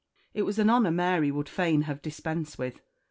It was an honour Mary would fain have dispensed with.